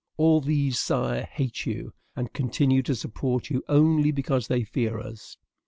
All these, Sire, hate you, and continue to support you only because they fear us.